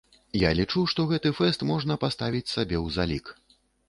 Я лічу, што гэты фэст можна паставіць сабе ў залік.